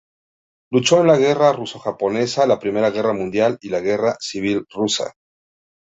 Luchó en la guerra ruso-japonesa, la Primera Guerra Mundial y la guerra civil rusa.